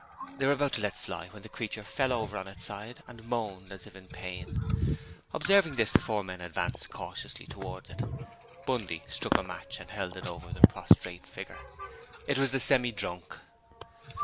They were about to let fly when the creature fell over on its side and moaned as if in pain. Observing this, the four men advanced cautiously towards it. Bundy struck a match and held it over the prostrate figure. It was the Semi drunk.